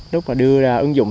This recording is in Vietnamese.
lúc mà đưa ra ứng dụng